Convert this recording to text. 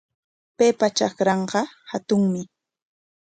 Paypa trakranqa hatunmi.